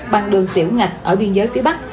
bằng đường tiểu ngạch ở biên giới phía bắc